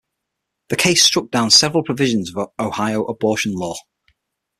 The case struck down several provisions of an Ohio abortion law.